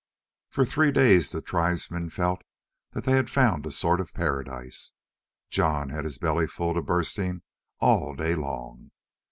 For three days the tribesmen felt that they had found a sort of paradise. Jon had his belly full to bursting all day long.